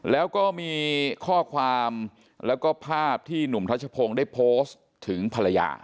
แล้วก็มีข้อความแล้วก็ภาพที่หนุ่มทัชพงศ์ได้โพสต์ถึงภรรยา